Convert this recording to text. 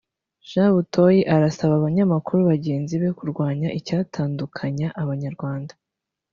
Jean Butoyi asaba abanyamakuru bagenzi be kurwanya icyatandukanya abanyarwanda